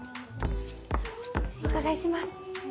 お伺いします。